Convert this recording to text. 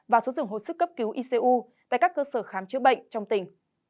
và số dường hồ sức cấp cứu icu tại các cơ sở khám chữa bệnh trong tỉnh